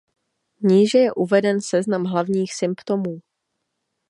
Níže je uveden seznam hlavních symptomů.